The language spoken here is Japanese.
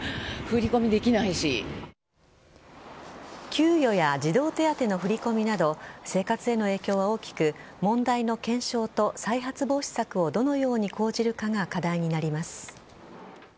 給与や児童手当の振り込みなど生活への影響は大きく問題の検証と再発防止策をどのように講じるかが課題になります。